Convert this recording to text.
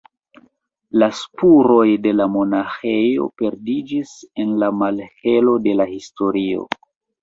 La spuroj de la monaĥejo perdiĝis en la malhelo de la historio.